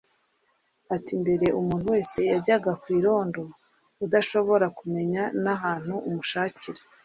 Ati”Mbere umuntu wese yajyaga ku irondo udashobora kumenya n’ahantu umushakira